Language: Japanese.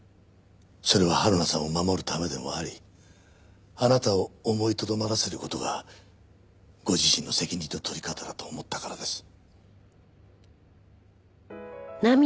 それははるなさんを守るためでもありあなたを思いとどまらせる事がご自身の責任の取り方だと思ったからです。